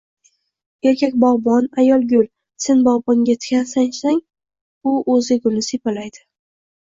Erkakbog’bon. Ayol-gul. Sen bog’bonga tikan sanchsang, u o’zga gulni siypalaydi…